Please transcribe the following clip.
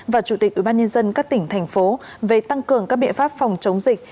và chủ tịch ubnd các tỉnh thành phố về tăng cường các biện pháp phòng chống dịch